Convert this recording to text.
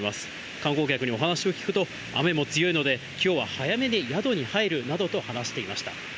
観光客にお話を聞くと、雨も強いので、きょうは早めに宿に入るなどと話していました。